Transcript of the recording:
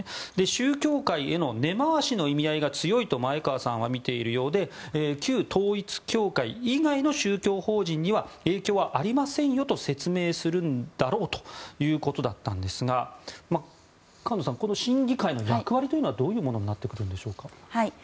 宗教界への根回しへの意味合いが強いと前川さんは見ているようで旧統一教会以外の宗教法人には影響はありませんと説明するんだろうということだったんですが菅野さん、この審議会の役割というのはどういうものになってくるんでしょうか。